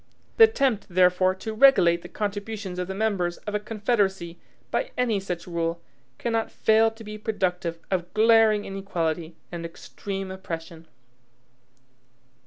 The attempt, therefore, to regulate the contributions of the members of a confederacy by any such rule, cannot fail to be productive of glaring inequality and extreme oppression.